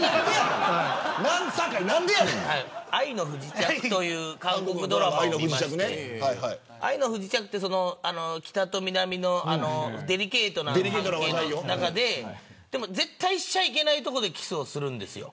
愛の不時着という韓国ドラマがありまして北と南のデリケートな関係の中で絶対しちゃいけないところでキスをするんですよ。